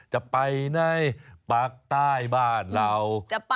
จะไปในปากใต้บ้านเรา